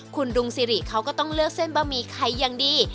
คุณรุงสิริเขาก็ต้องเลือกเส้นบะหมี่ไข่อย่างดี